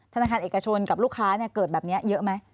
ธนาคารเอกชนกับลูกค้าเกิดแบบนี้เยอะไหม